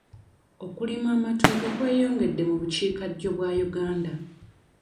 Okulima amatooke kweyongedde mu bukiikaddyo bwa Uganda.